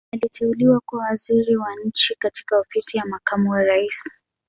aliteuliwa kuwa Waziri wa nchi katika ofisi ya makamu wa raisi